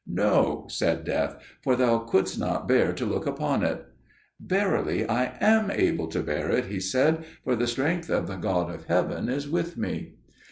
"No," said Death, "for thou couldst not bear to look upon it." "Verily, I am able to bear it," he said, "for the strength of the God of heaven is with me."